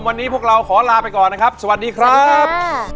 วันนี้พวกเราขอลาไปก่อนนะครับสวัสดีครับ